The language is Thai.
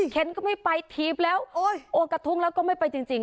เข็นก็ไม่ไปถีบแล้วโอ้กระทุ้งแล้วก็ไม่ไปจริง